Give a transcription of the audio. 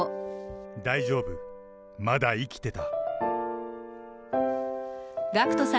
大丈夫、まだ生きてた。